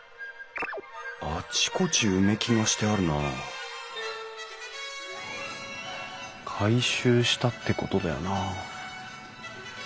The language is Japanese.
あちこち埋木がしてあるな改修したってことだよな。